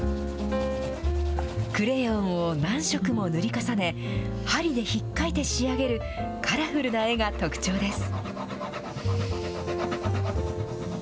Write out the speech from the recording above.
クレヨンを何色も塗り重ね、針でひっかいて仕上げるカラフルな絵が特徴です。